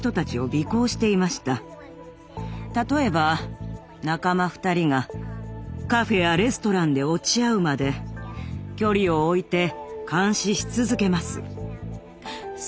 例えば仲間２人がカフェやレストランで落ち合うまで距離を置いて監視し続けます。